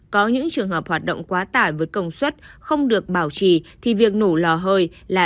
có những trường hợp hoạt động quá tải với công suất không được bảo trì thì việc nổ lò hơi là